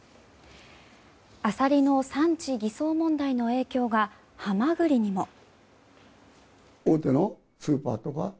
アサリの産地偽装問題の影響がハマグリにも。